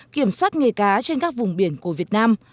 kiểm soát nghề cá trên các vùng biển của việt nam